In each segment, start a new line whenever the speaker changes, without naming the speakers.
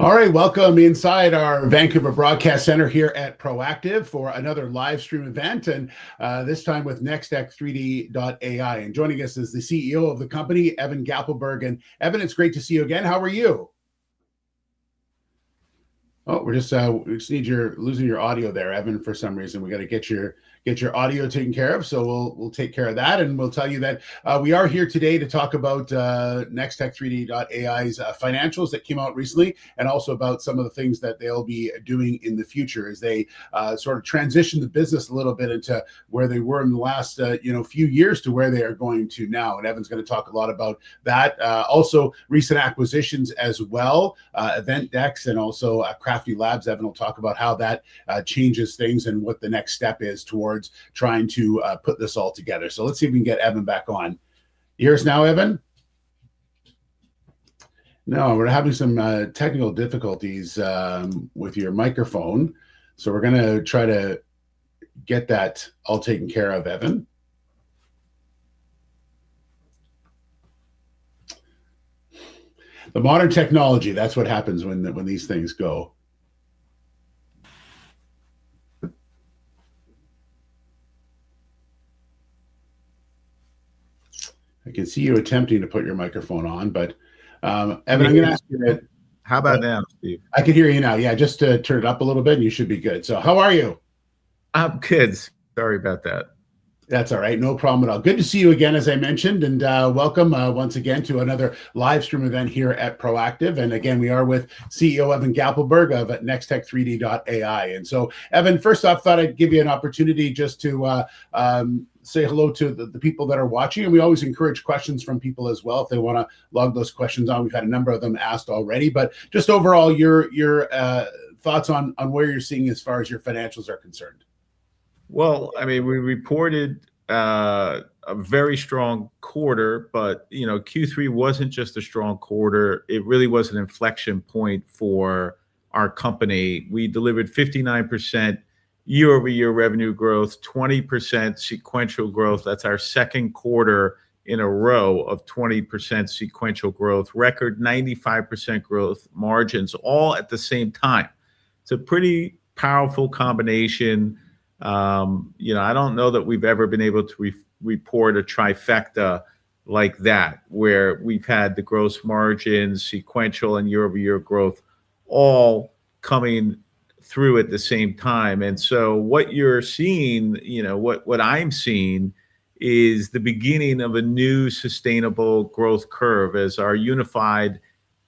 All right, welcome inside our Vancouver Broadcast Center here at Proactive for another live stream event, and this time with Nextech3D.ai. And joining us is the CEO of the company, Evan Gappelberg. And Evan, it's great to see you again. How are you? Oh, we're just losing your audio there, Evan, for some reason. We've got to get your audio taken care of. So we'll take care of that, and we'll tell you that we are here today to talk about Nextech3D.ai's financials that came out recently, and also about some of the things that they'll be doing in the future as they sort of transition the business a little bit into where they were in the last, you know, few years to where they are going to now, and Evan's going to talk a lot about that. Also recent acquisitions as well, Eventdex and also Crafty Lab. Evan will talk about how that changes things and what the next step is towards trying to put this all together. So let's see if we can get Evan back on. Hear us now, Evan? No, we're having some technical difficulties with your microphone, so we're going to try to get that all taken care of, Evan. The modern technology, that's what happens when these things go. I can see you attempting to put your microphone on, but, Evan, I'm going to ask you-
How about now, Steve?
I can hear you now. Yeah, just, turn it up a little bit, and you should be good. So how are you?
I have kids, sorry about that.
That's all right. No problem at all. Good to see you again, as I mentioned, and welcome once again to another live stream event here at Proactive. And again, we are with CEO Evan Gappelberg of Nextech3D.ai. And so, Evan, first off, I thought I'd give you an opportunity just to say hello to the people that are watching, and we always encourage questions from people as well, if they want to log those questions on. We've had a number of them asked already, but just overall, your thoughts on where you're seeing as far as your financials are concerned.
Well, I mean, we reported a very strong quarter, but, you know, Q3 wasn't just a strong quarter, it really was an inflection point for our company. We delivered 59% year-over-year revenue growth, 20% sequential growth. That's our second quarter in a row of 20% sequential growth, record 95% gross margins, all at the same time. It's a pretty powerful combination. You know, I don't know that we've ever been able to report a trifecta like that, where we've had the gross margin, sequential and year-over-year growth all coming through at the same time. And so what you're seeing, you know, what I'm seeing is the beginning of a new sustainable growth curve as our unified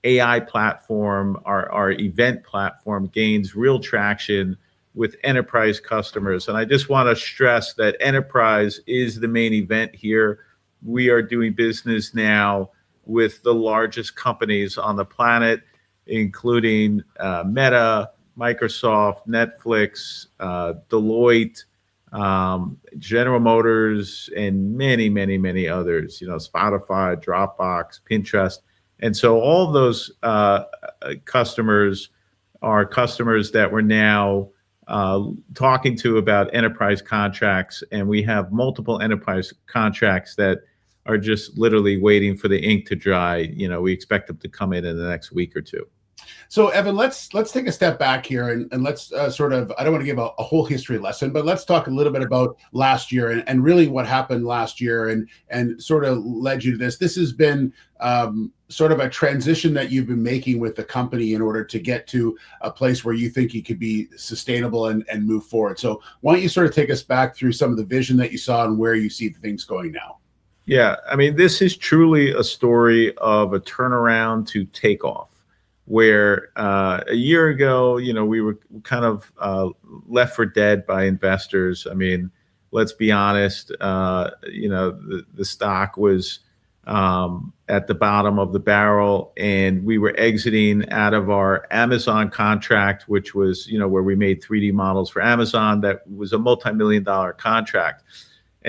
AI platform, our event platform gains real traction with enterprise customers. And I just want to stress that enterprise is the main event here. We are doing business now with the largest companies on the planet, including Meta, Microsoft, Netflix, Deloitte, General Motors, and many, many, many others, you know, Spotify, Dropbox, Pinterest. So all those customers are customers that we're now talking to about enterprise contracts, and we have multiple enterprise contracts that are just literally waiting for the ink to dry, you know, we expect them to come in in the next week or two.
So, Evan, let's take a step back here and let's sort of... I don't want to give a whole history lesson, but let's talk a little bit about last year and really what happened last year and sort of led you to this. This has been sort of a transition that you've been making with the company in order to get to a place where you think you could be sustainable and move forward. So why don't you sort of take us back through some of the vision that you saw and where you see things going now?
Yeah, I mean, this is truly a story of a turnaround to take off, where, a year ago, you know, we were kind of, left for dead by investors. I mean, let's be honest, you know, the, the stock was, at the bottom of the barrel, and we were exiting out of our Amazon contract, which was, you know, where we made 3D models for Amazon. That was a multimillion-dollar contract.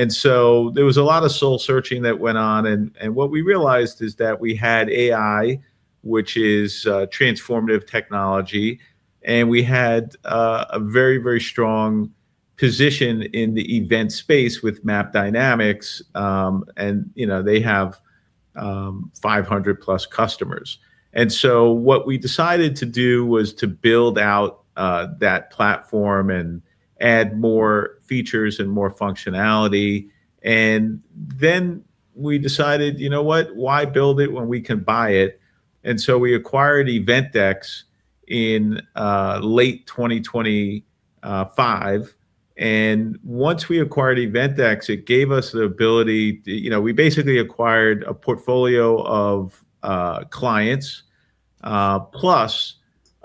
So there was a lot of soul searching that went on, and, what we realized is that we had AI, which is, transformative technology, and we had, a very, very strong position in the event space with Map Dynamics. You know, they have 500+ customers. And so what we decided to do was to build out that platform and add more features and more functionality. And then we decided, you know what? Why build it when we can buy it? And so we acquired Eventdex in late 2025, and once we acquired Eventdex, it gave us the ability, you know, we basically acquired a portfolio of clients, plus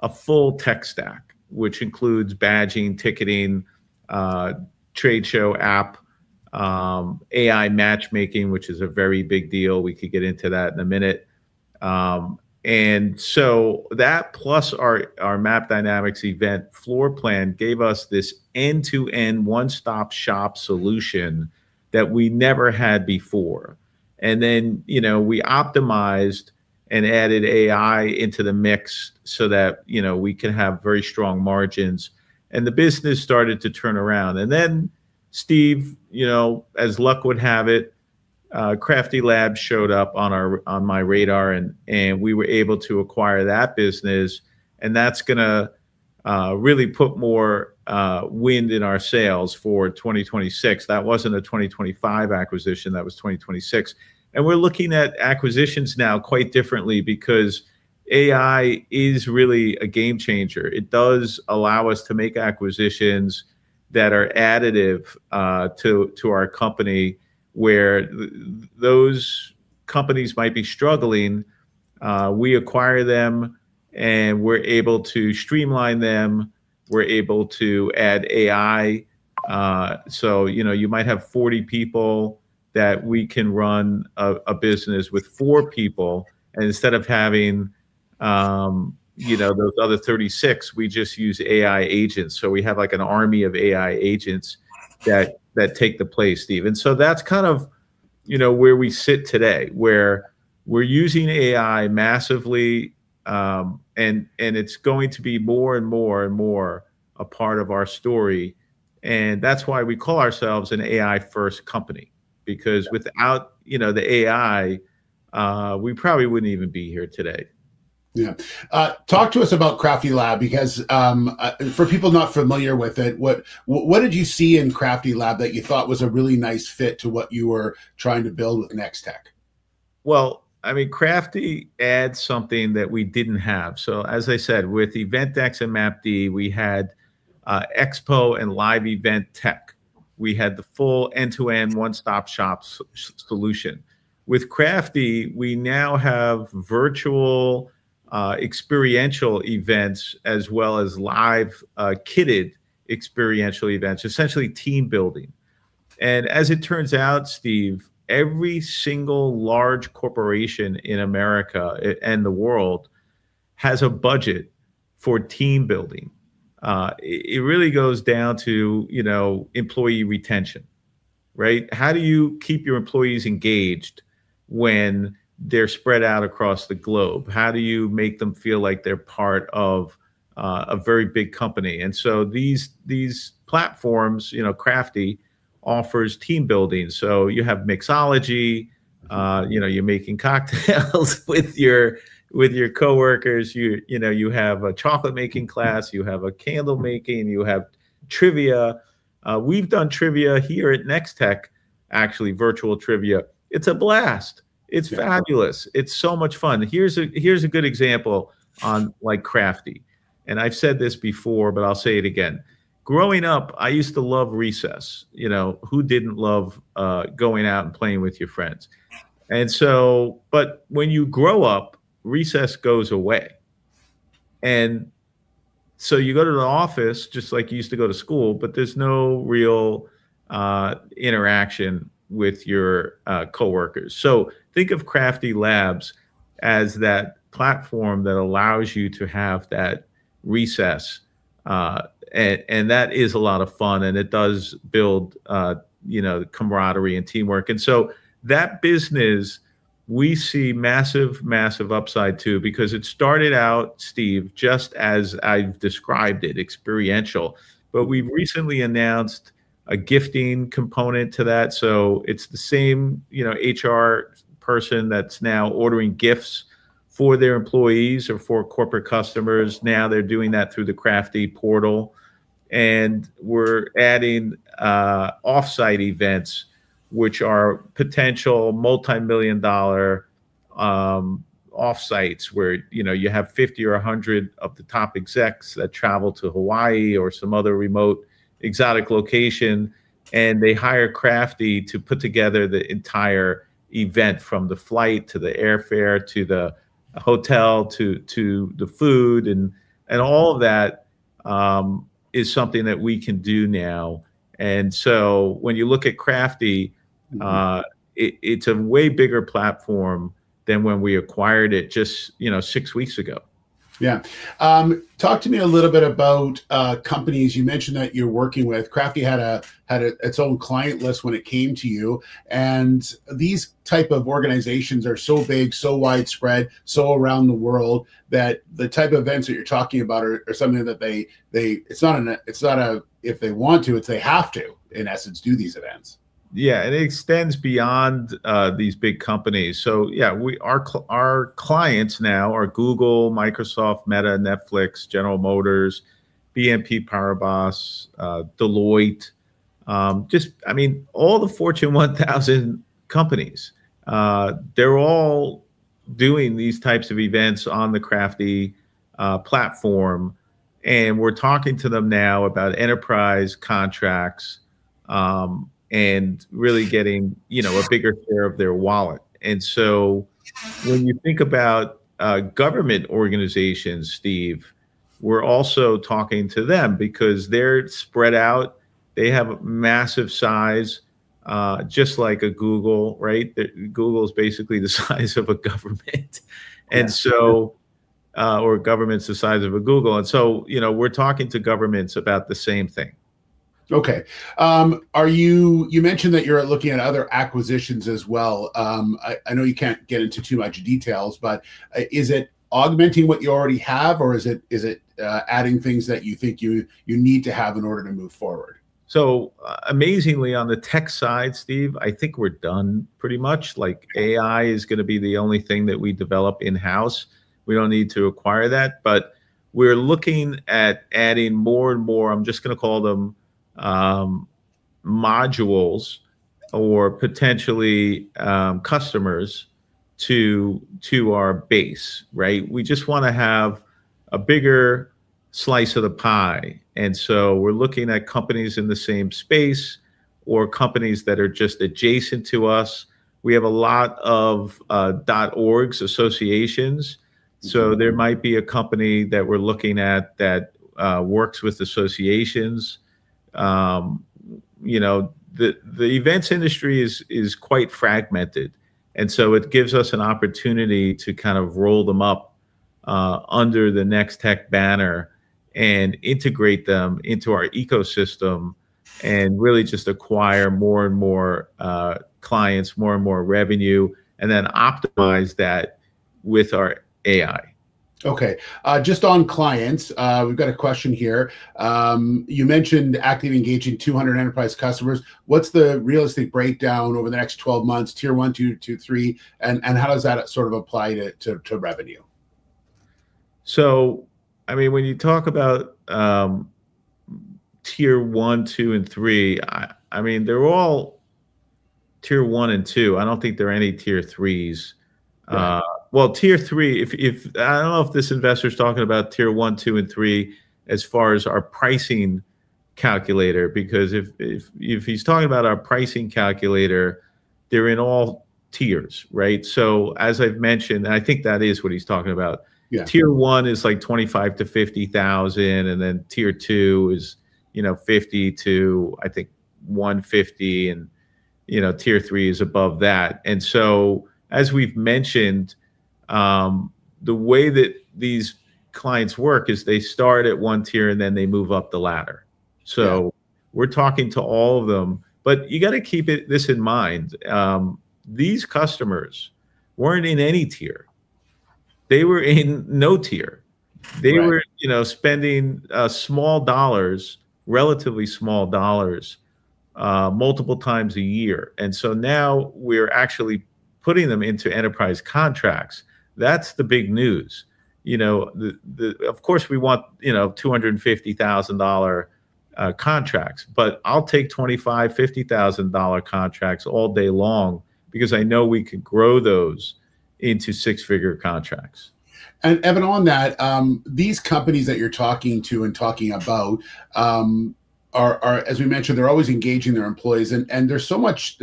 a full tech stack, which includes badging, ticketing, trade show app, AI matchmaking, which is a very big deal, we could get into that in a minute. And so that plus our Map Dynamics event floor plan gave us this end-to-end, one-stop-shop solution that we never had before. And then, you know, we optimized and added AI into the mix so that, you know, we can have very strong margins, and the business started to turn around. And then Steve, you know, as luck would have it, Crafty Lab showed up on our, on my radar, and, and we were able to acquire that business, and that's gonna really put more wind in our sails for 2026. That wasn't a 2025 acquisition, that was 2026. And we're looking at acquisitions now quite differently because AI is really a game changer. It does allow us to make acquisitions that are additive to our company, where those companies might be struggling. We acquire them, and we're able to streamline them, we're able to add AI. You know, you might have 40 people that we can run a business with 4 people, and instead of having, you know, those other 36, we just use AI agents. So we have, like, an army of AI agents that take the place, Steve. And so that's kind of, you know, where we sit today, where we're using AI massively, and it's going to be more and more a part of our story, and that's why we call ourselves an AI-first company. Because without, you know, the AI, we probably wouldn't even be here today.
Yeah. Talk to us about Crafty Lab, because, for people not familiar with it, what did you see in Crafty Lab that you thought was a really nice fit to what you were trying to build with Nextech?
Well, I mean, Crafty adds something that we didn't have. So as I said, with Eventdex and MapD, we had expo and live event tech. We had the full end-to-end, one-stop-shop solution. With Crafty, we now have virtual experiential events as well as live kitted experiential events, essentially team building. And as it turns out, Steve, every single large corporation in America and the world has a budget for team building. It really goes down to, you know, employee retention, right? How do you keep your employees engaged when they're spread out across the globe? How do you make them feel like they're part of a very big company? And so these platforms, you know, Crafty offers team building. So you have mixology, you know, you're making cocktails with your coworkers. You, you know, you have a chocolate-making class, you have a candle making, you have trivia. We've done trivia here at Nextech, actually virtual trivia. It's a blast.
Yeah.
It's fabulous. It's so much fun. Here's a good example on, like, Crafty, and I've said this before, but I'll say it again. Growing up, I used to love recess. You know, who didn't love going out and playing with your friends? And so, but when you grow up, recess goes away. And so you go to the office just like you used to go to school, but there's no real interaction with your coworkers. So think of Crafty Labs as that platform that allows you to have that recess. And that is a lot of fun, and it does build, you know, camaraderie and teamwork. And so that business, we see massive, massive upside, too, because it started out, Steve, just as I've described it, experiential, but we've recently announced a gifting component to that. So it's the same, you know, HR person that's now ordering gifts for their employees or for corporate customers. Now they're doing that through the Crafty portal, and we're adding off-site events, which are potential multi-million-dollar offsites, where, you know, you have 50 or 100 of the top execs that travel to Hawaii or some other remote, exotic location, and they hire Crafty to put together the entire event, from the flight to the airfare, to the hotel, to the food, and all of that is something that we can do now. And so when you look at Crafty, it's a way bigger platform than when we acquired it just, you know, six weeks ago.
Yeah. Talk to me a little bit about companies you mentioned that you're working with. Crafty had a its own client list when it came to you, and these type of organizations are so big, so widespread, so around the world, that the type of events that you're talking about are something that they... It's not an if they want to, it's they have to, in essence, do these events.
Yeah, and it extends beyond these big companies. So yeah, we, our clients now are Google, Microsoft, Meta, Netflix, General Motors, BNP Paribas, Deloitte. Just, I mean, all the Fortune 1000 companies, they're all doing these types of events on the Crafty platform, and we're talking to them now about enterprise contracts, and really getting, you know, a bigger share of their wallet. And so when you think about government organizations, Steve, we're also talking to them because they're spread out. They have a massive size, just like a Google, right? That Google is basically the size of a government.
Yeah.
And so, or governments the size of a Google, and so, you know, we're talking to governments about the same thing.
Okay. You mentioned that you're looking at other acquisitions as well. I know you can't get into too much details, but is it augmenting what you already have, or is it adding things that you think you need to have in order to move forward?...
So amazingly, on the tech side, Steve, I think we're done pretty much. Like, AI is gonna be the only thing that we develop in-house. We don't need to acquire that, but we're looking at adding more and more. I'm just gonna call them modules or potentially customers to our base, right? We just wanna have a bigger slice of the pie, and so we're looking at companies in the same space or companies that are just adjacent to us. We have a lot of .orgs, associations-
Mm.
So there might be a company that we're looking at that works with associations. You know, the events industry is quite fragmented, and so it gives us an opportunity to kind of roll them up under the Nextech banner and integrate them into our ecosystem, and really just acquire more and more clients, more and more revenue, and then optimize that with our AI.
Okay. Just on clients, we've got a question here. You mentioned actively engaging 200 enterprise customers. What's the realistic breakdown over the next 12 months, tier 1, 2, 3, and how does that sort of apply to revenue?
So, I mean, when you talk about tier 1, 2, and 3, I mean, they're all tier 1 and 2. I don't think there are any tier 3s.
Yeah.
Well, tier 3, if I don't know if this investor's talking about Tier 1, 2, and 3, as far as our pricing calculator, because if he's talking about our pricing calculator, they're in all tiers, right? So as I've mentioned, and I think that is what he's talking about-
Yeah...
tier one is like $25,000-$50,000, and then tier two is, you know, $50,000-$150,000, and, you know, tier three is above that. As we've mentioned, the way that these clients work is they start at one tier, and then they move up the ladder.
Yeah.
We're talking to all of them. But you gotta keep this in mind. These customers weren't in any tier. They were in no tier.
Right.
They were, you know, spending small dollars, relatively small dollars multiple times a year, and so now we're actually putting them into enterprise contracts. That's the big news. You know, of course, we want, you know, $250,000 contracts, but I'll take $25,000, $50,000 contracts all day long because I know we can grow those into six-figure contracts.
And Evan, on that, these companies that you're talking to and talking about, as we mentioned, they're always engaging their employees. And there's so much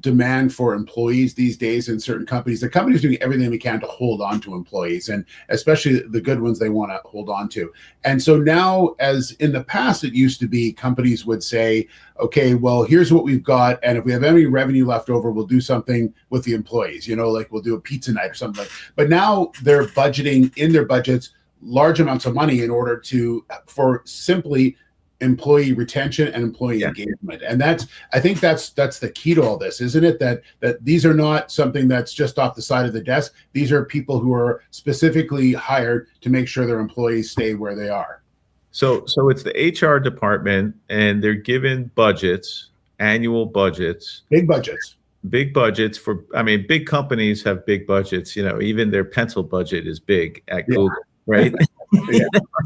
demand for employees these days in certain companies. The company's doing everything we can to hold onto employees, and especially the good ones they wanna hold on to. And so now, as in the past, it used to be companies would say, "Okay, well, here's what we've got, and if we have any revenue left over, we'll do something with the employees." You know, like, "We'll do a pizza night or something like..." But now they're budgeting in their budgets large amounts of money in order to, for simply employee retention and employee-
Yeah....
engagement. That's- I think that's, that's the key to all this, isn't it? That, that these are not something that's just off the side of the desk. These are people who are specifically hired to make sure their employees stay where they are.
So it's the HR department, and they're given budgets, annual budgets.
Big budgets.
Big budgets for... I mean, big companies have big budgets. You know, even their pencil budget is big at Google-
Yeah...
right?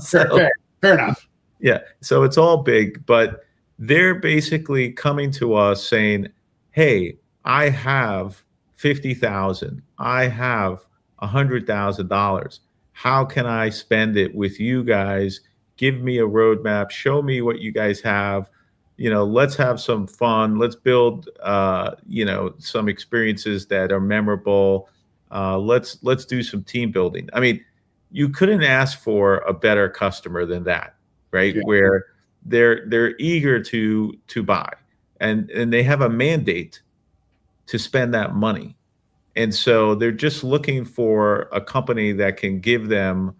So-
Fair. Fair enough.
Yeah. So it's all big, but they're basically coming to us saying, "Hey, I have $50,000. I have $100,000. How can I spend it with you guys? Give me a roadmap. Show me what you guys have. You know, let's have some fun. Let's build, you know, some experiences that are memorable. Let's, let's do some team building." I mean, you couldn't ask for a better customer than that, right?
Yeah.
Where they're eager to buy, and they have a mandate to spend that money, and so they're just looking for a company that can give them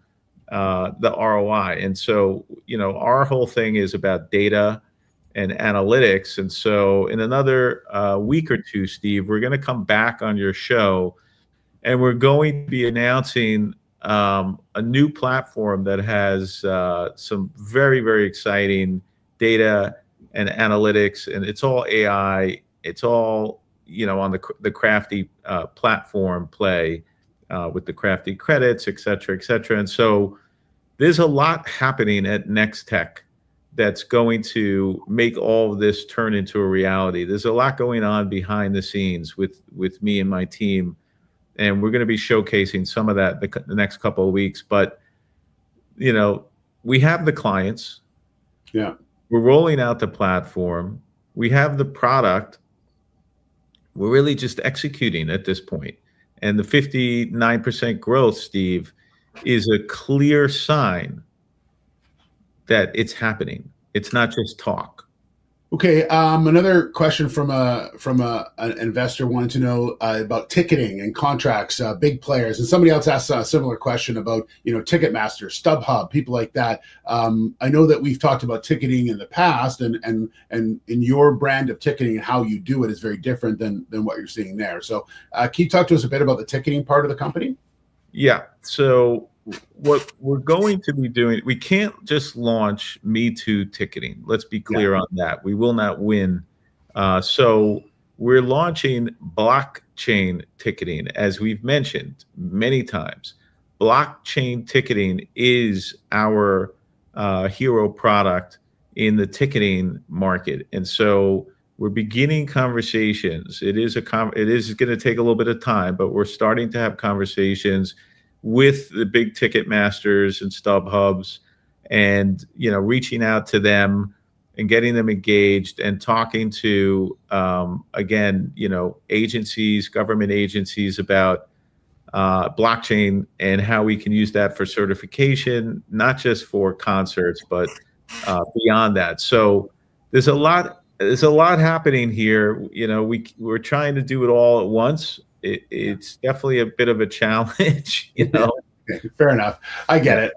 the ROI. And so, you know, our whole thing is about data and analytics. And so in another week or two, Steve, we're gonna come back on your show, and we're going to be announcing a new platform that has some very, very exciting data and analytics, and it's all AI. It's all, you know, on the Crafty platform play with the Crafty credits, et cetera, et cetera. And so there's a lot happening at Nextech3D.ai that's going to make all this turn into a reality. There's a lot going on behind the scenes with me and my team, and we're gonna be showcasing some of that the next couple of weeks. But, you know, we have the clients.
Yeah.
We're rolling out the platform. We have the product. We're really just executing at this point, and the 59% growth, Steve, is a clear sign that it's happening. It's not just talk.
Okay, another question from an investor who wanted to know about ticketing and contracts, big players, and somebody else asked a similar question about, you know, Ticketmaster, StubHub, people like that. I know that we've talked about ticketing in the past, and your brand of ticketing and how you do it is very different than what you're seeing there. So, can you talk to us a bit about the ticketing part of the company?...
Yeah, so what we're going to be doing - we can't just launch me-too ticketing.
Yeah.
Let's be clear on that. We will not win, so we're launching blockchain ticketing, as we've mentioned many times. Blockchain ticketing is our hero product in the ticketing market, and so we're beginning conversations. It is gonna take a little bit of time, but we're starting to have conversations with the big Ticketmasters and StubHubs and, you know, reaching out to them and getting them engaged and talking to, again, you know, agencies, government agencies about blockchain and how we can use that for certification, not just for concerts, but
Yeah...
beyond that. So there's a lot, there's a lot happening here. You know, we're trying to do it all at once. It-
Yeah...
it's definitely a bit of a challenge, you know?
Fair enough.
Yeah.
I get it.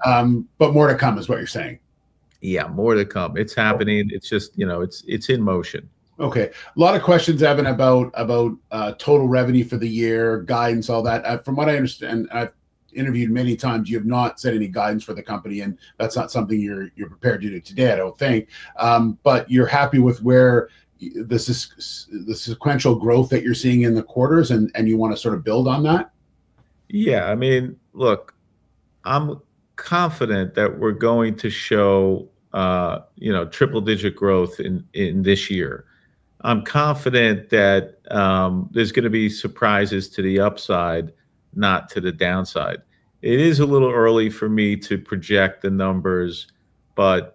But more to come is what you're saying?
Yeah, more to come. It's happening.
Okay.
It's just, you know, it's in motion.
Okay. A lot of questions, Evan, about total revenue for the year, guidance, all that. From what I understand, I've interviewed many times, you have not set any guidance for the company, and that's not something you're prepared to do today, I don't think. But you're happy with where the sequential growth that you're seeing in the quarters and you want to sort of build on that?
Yeah, I mean, look, I'm confident that we're going to show, you know, triple-digit growth in, in this year. I'm confident that, there's gonna be surprises to the upside, not to the downside. It is a little early for me to project the numbers, but,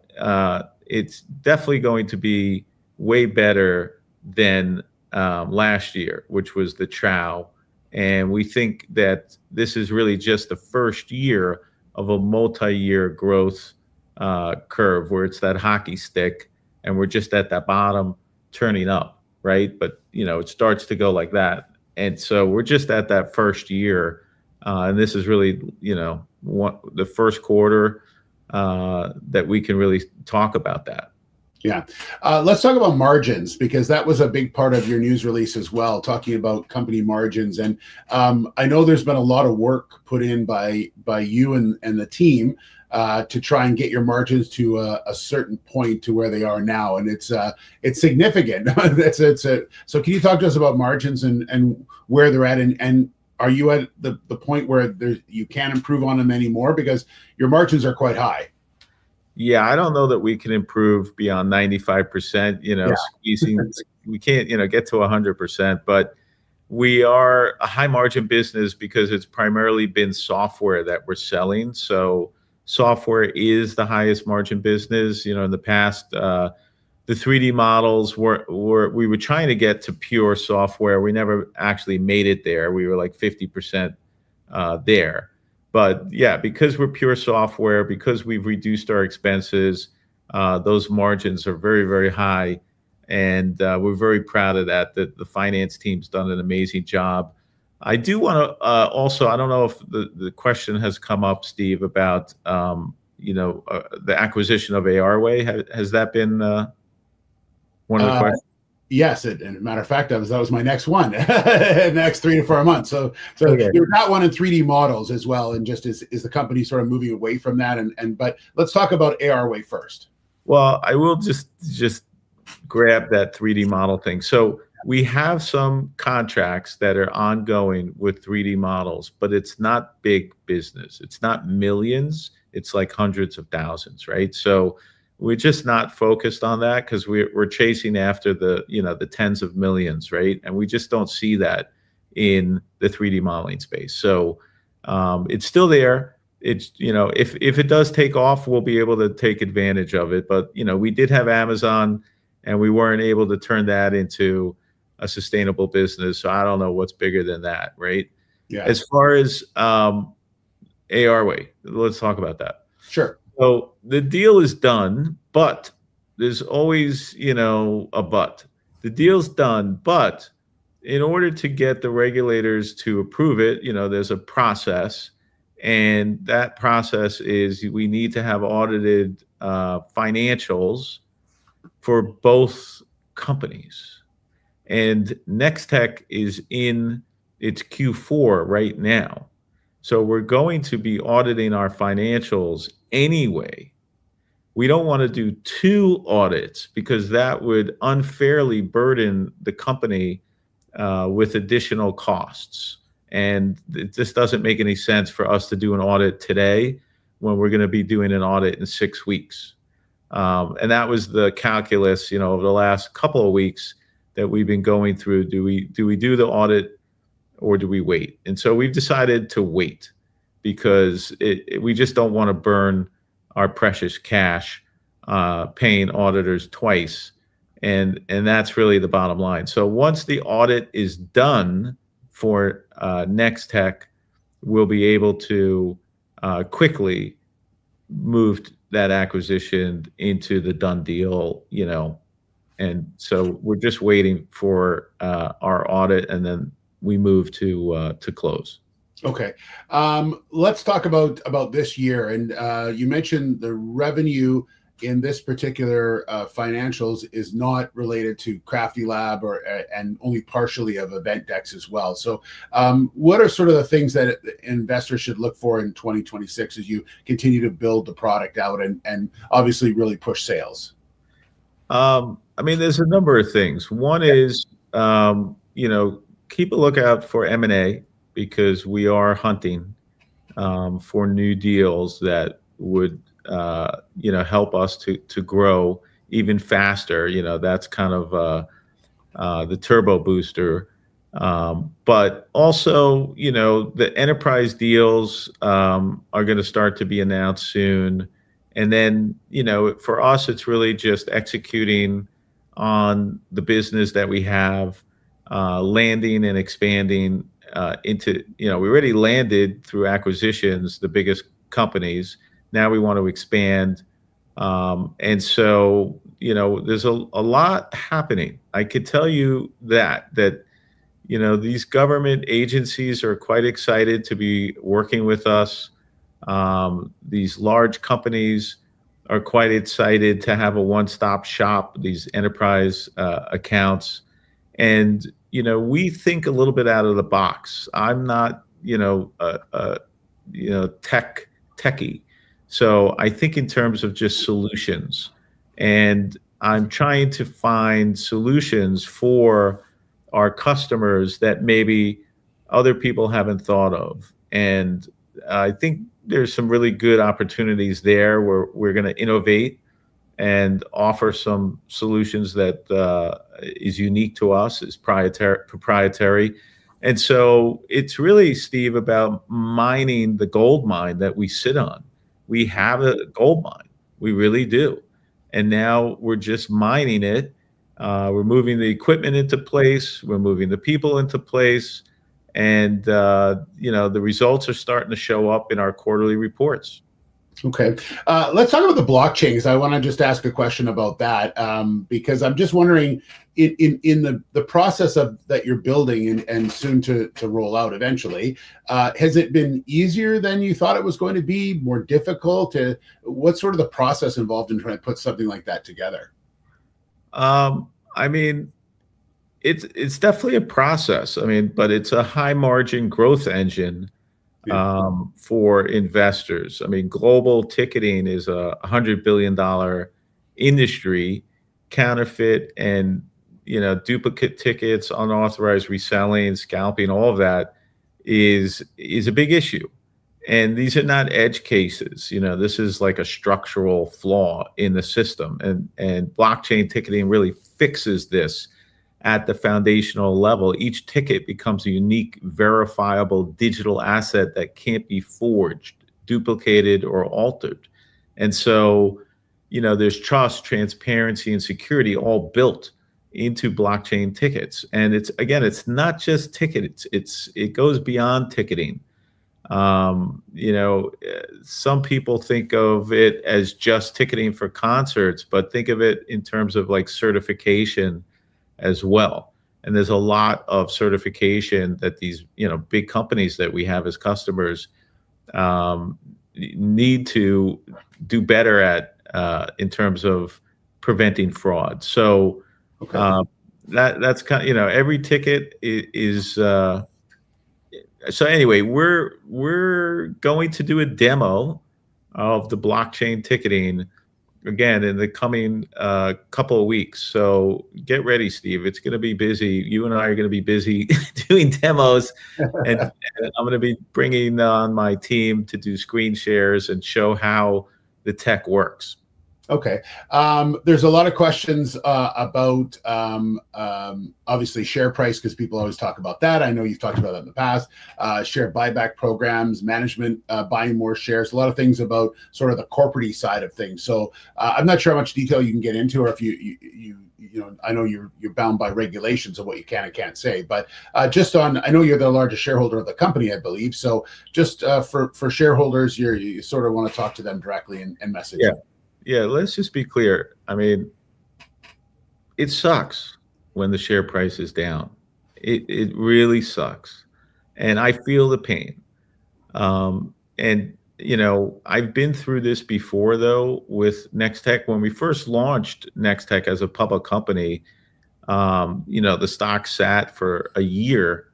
it's definitely going to be way better than, last year, which was the trial, and we think that this is really just the first year of a multi-year growth, curve, where it's that hockey stick, and we're just at that bottom turning up, right? But, you know, it starts to go like that, and so we're just at that first year, and this is really, you know, one- the first quarter, that we can really talk about that.
Yeah. Let's talk about margins, because that was a big part of your news release as well, talking about company margins. And I know there's been a lot of work put in by you and the team to try and get your margins to a certain point to where they are now, and it's significant. So can you talk to us about margins and where they're at, and are you at the point where you can't improve on them anymore? Because your margins are quite high.
Yeah, I don't know that we can improve beyond 95%, you know.
Yeah....
squeezing. We can't, you know, get to 100%, but we are a high-margin business because it's primarily been software that we're selling. So software is the highest margin business. You know, in the past, the 3D models were, we were trying to get to pure software. We never actually made it there. We were, like, 50%, there. But yeah, because we're pure software, because we've reduced our expenses, those margins are very, very high, and, we're very proud of that, that the finance team's done an amazing job. I do wanna also, I don't know if the question has come up, Steve, about, you know, the acquisition of ARway. Has that been one of the ques-
Yes, and matter of fact, that was my next one, the next 3-4 months. So-
Okay...
you're not one in 3D models as well, and just is the company sort of moving away from that? But let's talk about ARway first.
Well, I will just grab that 3D model thing. So we have some contracts that are ongoing with 3D models, but it's not big business. It's not millions. It's like hundreds of thousands, right? So we're just not focused on that, 'cause we're chasing after the, you know, the tens of millions, right? And we just don't see that in the 3D modeling space. So it's still there. It's, you know, if it does take off, we'll be able to take advantage of it. But, you know, we did have Amazon, and we weren't able to turn that into a sustainable business. So I don't know what's bigger than that, right?
Yeah.
As far as ARway, let's talk about that.
Sure.
Well, the deal is done, but there's always, you know, a but. The deal's done, but in order to get the regulators to approve it, you know, there's a process, and that process is we need to have audited financials for both companies. Nextech is in its Q4 right now, so we're going to be auditing our financials anyway. We don't want to do two audits, because that would unfairly burden the company with additional costs, and this doesn't make any sense for us to do an audit today when we're gonna be doing an audit in six weeks. And that was the calculus, you know, over the last couple of weeks that we've been going through, do we, do we do the audit, or do we wait? And so we've decided to wait, because we just don't want to burn our precious cash, paying auditors twice, and that's really the bottom line. So once the audit is done for Nextech, we'll be able to quickly move that acquisition into the done deal, you know, and so we're just waiting for our audit, and then we move to close.
Okay. Let's talk about this year, and you mentioned the revenue in this particular financials is not related to Crafty Lab or and only partially of Eventdex as well. So, what are sort of the things that investors should look for in 2026 as you continue to build the product out and obviously really push sales?
I mean, there's a number of things. One is, you know, keep a lookout for M&A, because we are hunting for new deals that would, you know, help us to grow even faster. You know, that's kind of the turbo booster. But also, you know, the enterprise deals are gonna start to be announced soon, and then, you know, for us, it's really just executing on the business that we have, landing and expanding into... You know, we already landed through acquisitions, the biggest companies, now we want to expand. And so, you know, there's a lot happening. I could tell you that, you know, these government agencies are quite excited to be working with us. These large companies are quite excited to have a one-stop shop, these enterprise accounts. You know, we think a little bit out of the box. I'm not, you know, a techie, so I think in terms of just solutions, and I'm trying to find solutions for our customers that maybe other people haven't thought of. I think there's some really good opportunities there, where we're gonna innovate and offer some solutions that is unique to us, is proprietary. So it's really, Steve, about mining the gold mine that we sit on. We have a gold mine. We really do, and now we're just mining it. We're moving the equipment into place, we're moving the people into place, and, you know, the results are starting to show up in our quarterly reports.
Okay. Let's talk about the blockchain, because I want to just ask a question about that, because I'm just wondering, in the process of that you're building and soon to roll out eventually, has it been easier than you thought it was going to be, more difficult? What's sort of the process involved in trying to put something like that together?
I mean, it's definitely a process, I mean, but it's a high-margin growth engine.
Yeah....
for investors. I mean, global ticketing is a $100 billion industry. Counterfeit and, you know, duplicate tickets, unauthorized reselling, scalping, all of that is a big issue, and these are not edge cases. You know, this is like a structural flaw in the system, and blockchain ticketing really fixes this at the foundational level. Each ticket becomes a unique, verifiable digital asset that can't be forged, duplicated, or altered. And so, you know, there's trust, transparency, and security all built into blockchain tickets. And it's, again, it's not just ticketing, it's, it goes beyond ticketing. You know, some people think of it as just ticketing for concerts, but think of it in terms of like certification as well, and there's a lot of certification that these, you know, big companies that we have as customers, need to do better at, in terms of preventing fraud. So-
Okay....
that's kind of, you know, every ticket is... So anyway, we're going to do a demo of the blockchain ticketing again in the coming couple of weeks. So get ready, Steve, it's gonna be busy. You and I are gonna be busy doing demos and I'm gonna be bringing on my team to do screen shares and show how the tech works.
Okay. There's a lot of questions about obviously share price, because people always talk about that. I know you've talked about it in the past. Share buyback programs, management buying more shares, a lot of things about sort of the corporate-y side of things. So, I'm not sure how much detail you can get into, or if you know, I know you're bound by regulations of what you can and can't say. But just on... I know you're the largest shareholder of the company, I believe, so just for shareholders, you sort of want to talk to them directly and message them.
Yeah. Yeah, let's just be clear, I mean, it sucks when the share price is down. It really sucks, and I feel the pain. And, you know, I've been through this before, though, with Nextech. When we first launched Nextech as a public company, you know, the stock sat for a year,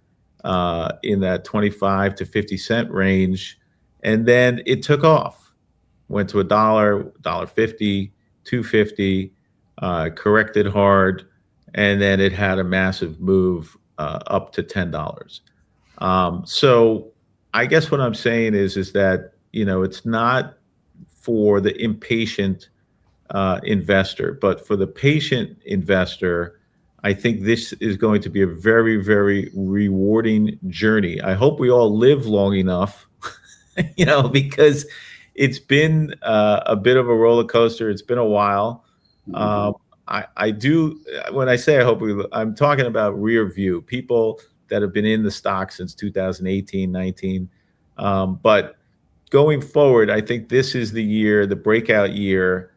in that 0.25-0.50 range, and then it took off. Went to CAD 1, dollar 1.50, dollar 2.50, corrected hard, and then it had a massive move, up to 10 dollars. So I guess what I'm saying is that, you know, it's not for the impatient investor, but for the patient investor, I think this is going to be a very, very rewarding journey. I hope we all live long enough, you know, because it's been, a bit of a rollercoaster, it's been a while.
Mm-hmm.
I do. When I say I hope we, I'm talking about rearview, people that have been in the stock since 2018, 2019. Going forward, I think this is the year, the breakout year,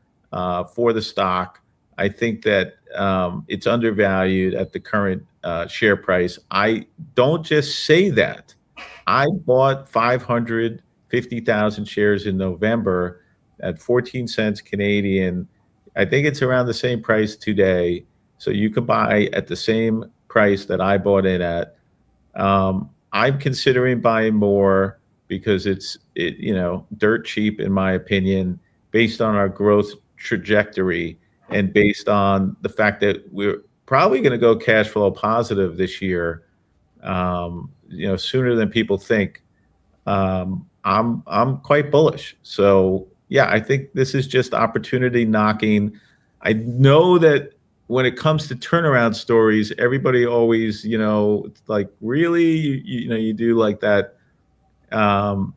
for the stock. I think that it's undervalued at the current share price. I don't just say that, I bought 550,000 shares in November at 0.14. I think it's around the same price today, so you could buy at the same price that I bought it at. I'm considering buying more because it's, you know, dirt cheap in my opinion, based on our growth trajectory and based on the fact that we're probably gonna go cash flow positive this year, you know, sooner than people think. I'm quite bullish. So yeah, I think this is just opportunity knocking. I know that when it comes to turnaround stories, everybody always, you know, like, really, you know, you do like that,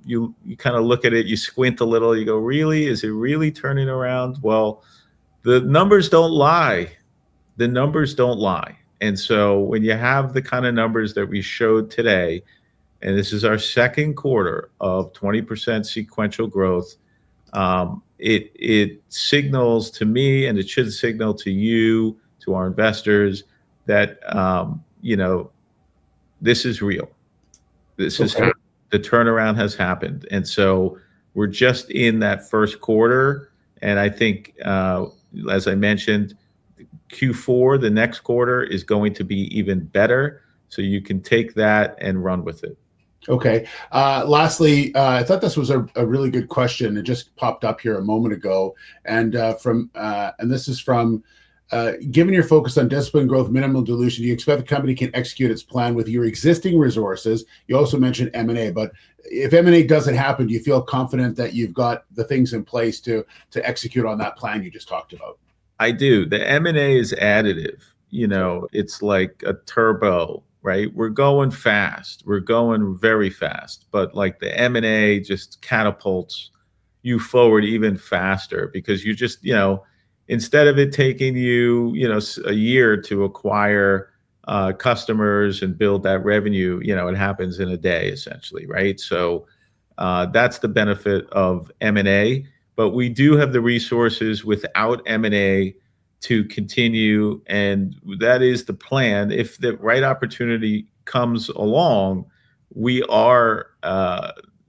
you, you kind of look at it, you squint a little, you go, "Really? Is it really turning around?" Well, the numbers don't lie. The numbers don't lie. And so when you have the kind of numbers that we showed today, and this is our second quarter of 20% sequential growth, it, it signals to me, and it should signal to you, to our investors, that, you know, this is real.
Okay.
This is the turnaround has happened, and so we're just in that first quarter, and I think, as I mentioned, Q4, the next quarter, is going to be even better, so you can take that and run with it.
Okay. Lastly, I thought this was a really good question. It just popped up here a moment ago, and from... And this is from, "Given your focus on disciplined growth, minimal dilution, do you expect the company can execute its plan with your existing resources? You also mentioned M&A, but if M&A doesn't happen, do you feel confident that you've got the things in place to execute on that plan you just talked about?
I do. The M&A is additive, you know, it's like a turbo, right? We're going fast, we're going very fast, but, like, the M&A just catapults you forward even faster because you just, you know, instead of it taking you, you know, a year to acquire, customers and build that revenue, you know, it happens in a day essentially, right? So, that's the benefit of M&A, but we do have the resources without M&A to continue, and that is the plan. If the right opportunity comes along, we are,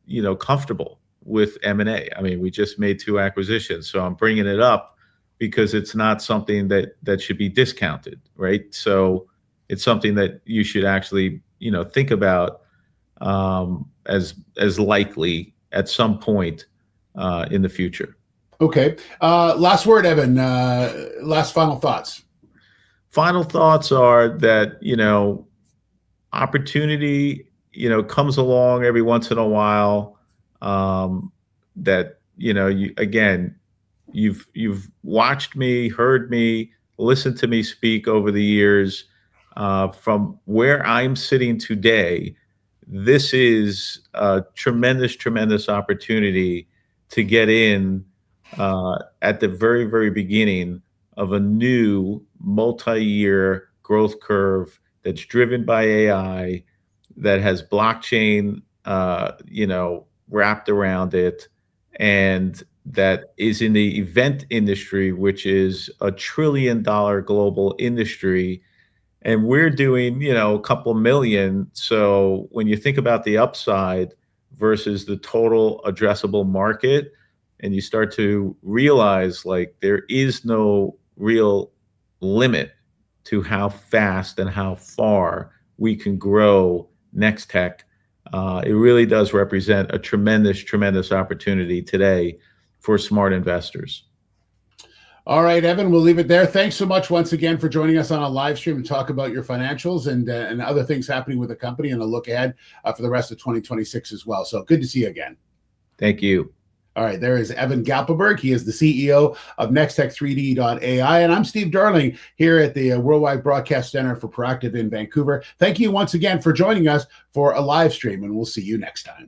you know, comfortable with M&A. I mean, we just made two acquisitions, so I'm bringing it up because it's not something that should be discounted, right? So it's something that you should actually, you know, think about, as likely at some point, in the future.
Okay. Last word, Evan, last final thoughts.
Final thoughts are that, you know, opportunity, you know, comes along every once in a while, that you know, you again, you've watched me, heard me, listened to me speak over the years, from where I'm sitting today, this is a tremendous, tremendous opportunity to get in, at the very, very beginning of a new multi-year growth curve that's driven by AI, that has blockchain, you know, wrapped around it, and that is in the event industry, which is a $1 trillion global industry, and we're doing, you know, a couple million. So when you think about the upside versus the total addressable market, and you start to realize, like, there is no real limit to how fast and how far we can grow Nextech, it really does represent a tremendous, tremendous opportunity today for smart investors.
All right, Evan, we'll leave it there. Thanks so much once again for joining us on our live stream and talk about your financials and, and other things happening with the company, and a look ahead, for the rest of 2026 as well. So good to see you again.
Thank you.
All right, there is Evan Gappelberg, he is the CEO of Nextech3D.ai, and I'm Steve Darling here at the Worldwide Broadcast Center for Proactive in Vancouver. Thank you once again for joining us for a live stream, and we'll see you next time.